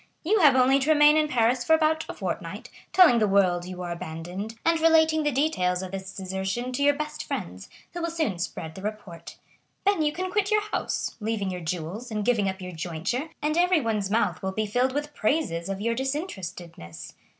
You have only to remain in Paris for about a fortnight, telling the world you are abandoned, and relating the details of this desertion to your best friends, who will soon spread the report. Then you can quit your house, leaving your jewels and giving up your jointure, and everyone's mouth will be filled with praises of your disinterestedness.